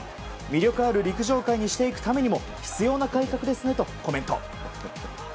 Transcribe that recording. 魅力ある陸上界にしていくためにも必要な改革ですねとコメント。